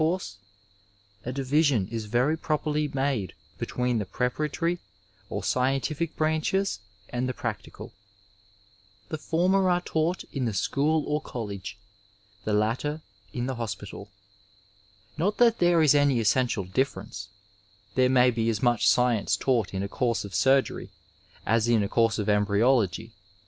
329 Digitized by Google THE HOSPITAL AS A COLLEGE a division is verj properly made between the preporatoiy or scientific branches and the practical ; the former are taught in the school or college, the latter in the hoepitaL Not that there is any essential difiEerence ; there may be as much science taught in a coarse of surgery as in a course of embryology.